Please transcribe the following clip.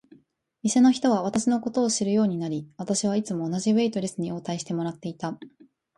店の人は私のことを知るようになり、私はいつも同じウェイトレスに応対してもらっていた。